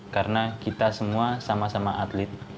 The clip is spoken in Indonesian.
karena kita semua sama sama atlet